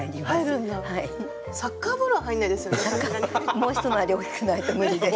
もう一回り大きくないと無理です。